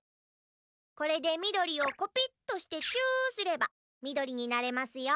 これでみどりをコピットしてチューすればみどりになれますよ。